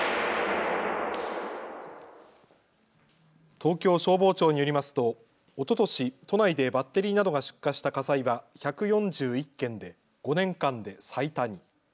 東京消防庁によりますとおととし、都内でバッテリーなどが出火した火災は１４１件で５年間で最多に。